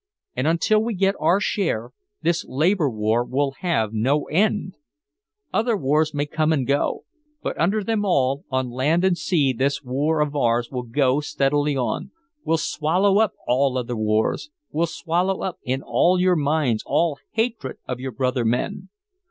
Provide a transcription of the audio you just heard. And until we get our share this labor war will have no end! Other wars may come and go but under them all on land and sea this war of ours will go steadily on will swallow up all other wars will swallow up in all your minds all hatred of your brother men!